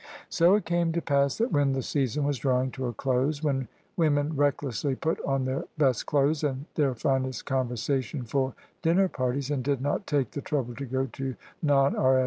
So it came to pass that when the season was drawing to a close — ^when women recklessly put on their best clothes and their finest conversation for dinner parties, and did not take the trouble to go to non R.